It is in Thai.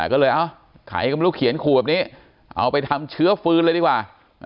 ก็เลยเอ้าใครก็ไม่รู้เขียนขู่แบบนี้เอาไปทำเชื้อฟื้นเลยดีกว่า